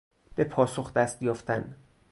به پاسخ دستیافتن